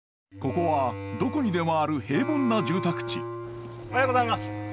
ここはどこにでもある平凡な住宅地おはようございます。